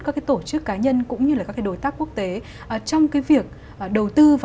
các tổ chức cá nhân cũng như các đối tác quốc tế trong việc đầu tư